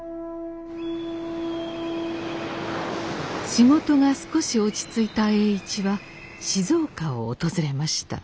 仕事が少し落ち着いた栄一は静岡を訪れました。